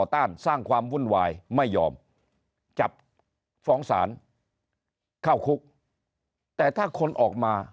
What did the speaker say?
ต้านสร้างความวุ่นวายไม่ยอมจับฟ้องศาลเข้าคุกแต่ถ้าคนออกมา